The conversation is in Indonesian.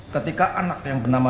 ketika anak yang bernama